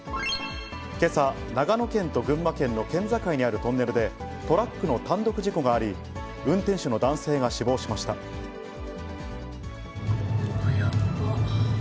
けさ、長野県と群馬県の県境にあるトンネルで、トラックの単独事故があり、運転手の男性が死亡しやっば。